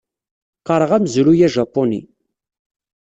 Qqareɣ amezruy ajapuni.